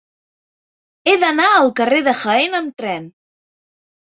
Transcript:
He d'anar al carrer de Jaén amb tren.